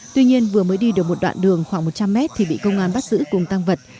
tuy nhiên vừa mới đi được một đoạn đường khoảng một trăm linh mét thì bị công an bắt giữ cùng tăng vật